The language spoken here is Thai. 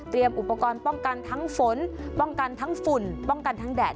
อุปกรณ์ป้องกันทั้งฝนป้องกันทั้งฝุ่นป้องกันทั้งแดด